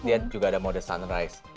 dia juga ada mode sunrise